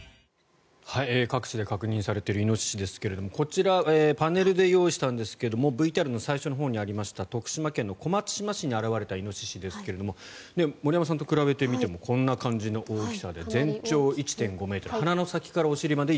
各地で確認されているイノシシですけれどこちらパネルで用意したんですがＶＴＲの最初のほうにありました徳島県小松島市に現れたイノシシですが森山さんと比べてみてもこんな感じの大きさで全長１．５ｍ鼻の先からお尻まで１．５ｍ。